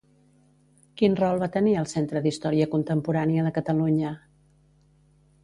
Quin rol va tenir al Centre d'Història Contemporània de Catalunya?